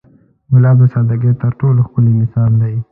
ګلاب د سادګۍ تر ټولو ښکلی مثال دی.